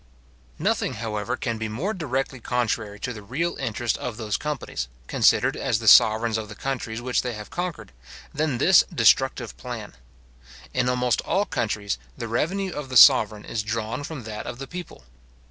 Nothing, however, can be more directly contrary to the real interest of those companies, considered as the sovereigns of the countries which they have conquered, than this destructive plan. In almost all countries, the revenue of the sovereign is drawn from that of the people.